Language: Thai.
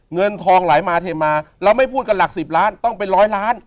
เงินทองไหลมาเทมาเราไม่พูดกันหลักสิบล้านต้องเป็นร้อยล้าน